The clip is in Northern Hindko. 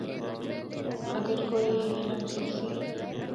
اگر کوئی اے علم سکھسی۔